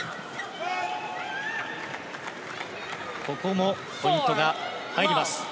ここもポイントが入ります。